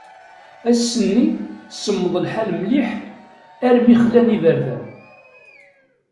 Ass-nni semmeḍ lḥal mliḥ, armi xlan iberdan.